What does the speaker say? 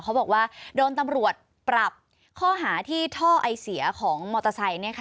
เขาบอกว่าโดนตำรวจปรับข้อหาที่ท่อไอเสียของมอเตอร์ไซค์